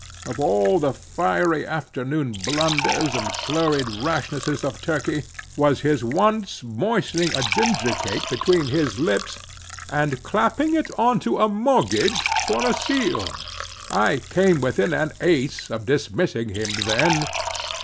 Of all the fiery afternoon blunders and flurried rashnesses of Turkey, was his once moistening a ginger cake between his lips, and clapping it on to a mortgage for a seal. I came within an ace of dismissing him then.